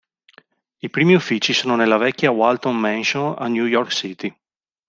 I primi uffici sono nella vecchia Walton Mansion a New York City.